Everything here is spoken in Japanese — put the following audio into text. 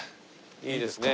いいですね。